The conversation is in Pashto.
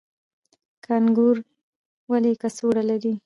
کانګارو ولې کڅوړه لري؟